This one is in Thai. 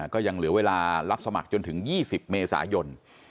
ก็ยังเหลือเวลารับสมัครจนถึง๒๐เมษายน